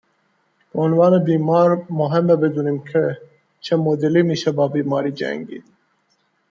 به عنوان بیمار مهمه بدونیم که چه مدلی میشه با بیماری جنگید